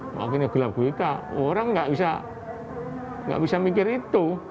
waktu ini gelap gelita orang nggak bisa mikir itu